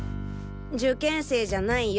受験生じゃないよ。